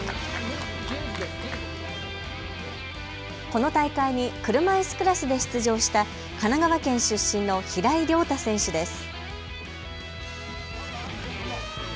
この大会に車いすクラスで出場した神奈川県出身の平井亮太選手です。